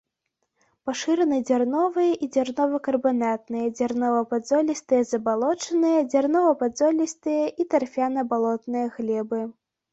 Пашыраны дзярновыя і дзярнова-карбанатныя, дзярнова-падзолістыя забалочаныя, дзярнова-падзолістыя і тарфяна-балотныя глебы.